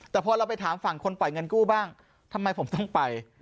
แต่พอเราไปถามฝั่งคนปล่อยเงินกู้บ้างทำไมผมต้องไป